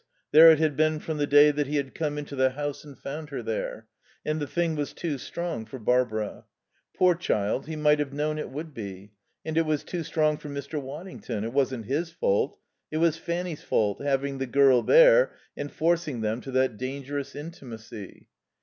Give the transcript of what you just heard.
There it had been from the day that he had come into the house and found her there. And the thing was too strong for Barbara. Poor child, he might have known it would be. And it was too strong for Mr. Waddington. It wasn't his fault. It was Fanny's fault, having the girl there and forcing them to that dangerous intimacy.